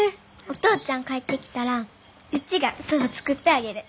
お父ちゃん帰ってきたらうちがそば作ってあげる！